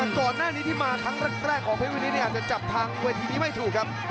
ก่อนหน้านี้ที่มาครั้งแรกของเพชรวินิตอาจจะจับทางเวทีนี้ไม่ถูกครับ